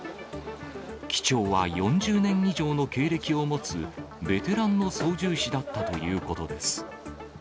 機長は４０年以上の経歴を持つベテランの操縦士だったということです。